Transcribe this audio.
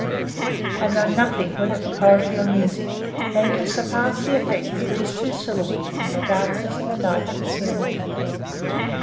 I know nothing, whether for poetry or music, that can surpass the effect of these two syllables in the darkness of a night at sea.